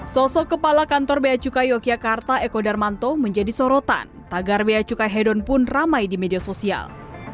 sosok kepala kantor beacuka yogyakarta eko darmanto menjadi sorotan tagar bea cukai hedon pun ramai di media sosial